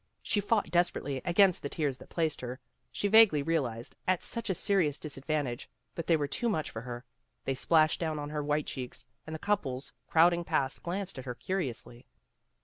She fought desperately against the tears that placed her, she vaguely realized, at such a serious disadvantage, but they were too much for her. They splashed down on her white cheeks, and the couples crowding past glanced at her curiously.